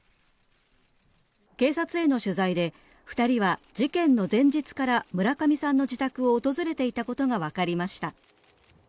警察への取材で２人は事件の前日から村上さんの自宅を訪れていたことがわかりました。